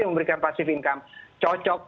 yang memberikan passive income cocok